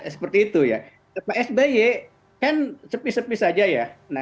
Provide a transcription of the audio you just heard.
seperti itu ya pak sby kan sepis sepis aja ya